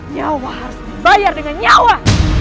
nyawa harus dibayar dengan nyawa